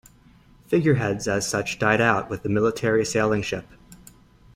Figureheads as such died out with the military sailing ship.